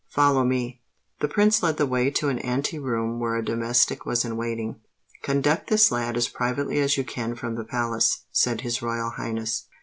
Follow me." The Prince led the way to an ante room where a domestic was in waiting. "Conduct this lad as privately as you can from the palace," said his Royal Highness.